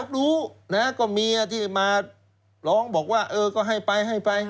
รู้นะก็เมียที่มาร้องบอกว่าเออก็ให้ไปให้ไป